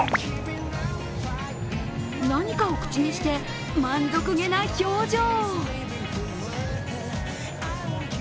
何かを口にして満足げな表情。